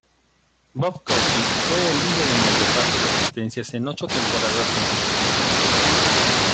Bob Cousy fue el líder en reparto de asistencias en ocho temporadas consecutivas.